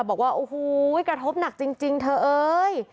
บอกว่าโอ้โหกระทบหนักจริงเธอเอ้ย